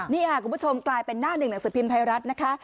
นี่ค่ะคุณผู้ชมกลายเป็นหน้าหนึ่งหนังสือพิมพ์ไทยรัฐนะคะ